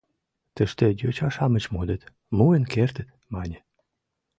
«Тыште йоча-шамыч модыт, муын кертыт», — мане.